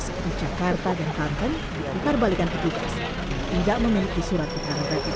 seperti jakarta dan kampen diantar balikan ke jelas tidak memiliki surat kekerahan praktik